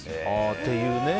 って言うね。